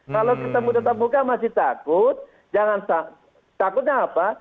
kalau kita minta muka masih takut takutnya apa